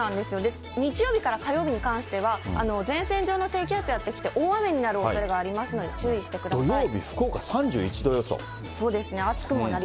日曜日から火曜日に関しては、前線上の低気圧やって来て、大雨になるおそれがありますので、注意してください。